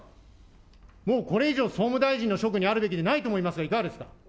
もうこれ以上、総務大臣の職にあるべきでないと思いますが、いかがですか。